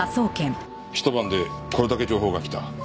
一晩でこれだけ情報が来た。